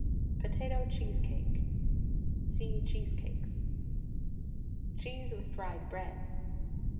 POTATO CHEESECAKE. (See CHEESECAKES.) CHEESE WITH FRIED BREAD.